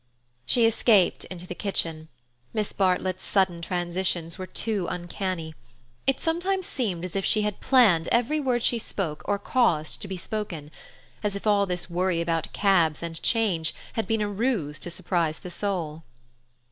She escaped into the kitchen. Miss Bartlett's sudden transitions were too uncanny. It sometimes seemed as if she planned every word she spoke or caused to be spoken; as if all this worry about cabs and change had been a ruse to surprise the soul.